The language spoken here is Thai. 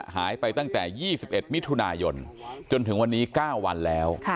หายไปตั้งแต่ยี่สิบเอ็ดมิถุนายนจนถึงวันนี้เก้าวันแล้ว